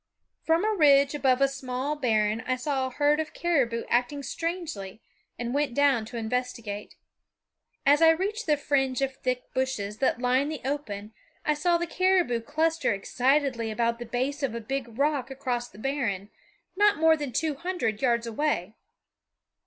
From a ridge above a small barren I saw a herd of caribou acting strangely and went down to investigate. As I reached the fringe of thick bushes that lined the open I saw the caribou cluster excitedly about the base of a big rock across the barren, not more than two hundred yards away.